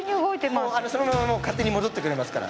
もうそのままもう勝手に戻ってくれますから。